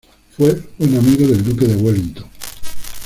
Fue buen amigo del duque de Wellington.